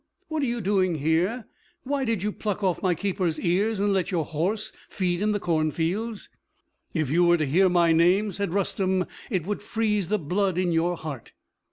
What are you doing here? Why did you pluck off my keeper's ears and let your horse feed in the cornfields?" "If you were to hear my name," said Rustem, "it would freeze the blood in your heart."